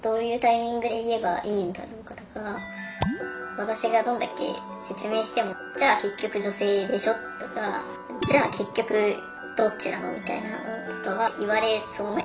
私がどんだけ説明してもじゃあ結局女性でしょとかじゃあ結局どっちなのみたいなのとかは言われそうな感じがして。